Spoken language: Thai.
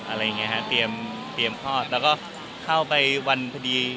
อะไรอย่างนี้ฮะเตรียมคลอดแล้วก็เข้าไปวันพอดี